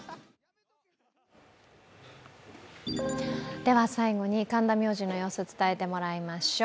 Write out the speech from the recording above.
では最後に、神田明神の様子を伝えてもらいましょう。